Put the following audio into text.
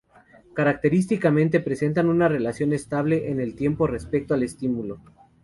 Característicamente presentan una relación estable en el tiempo respecto al estímulo.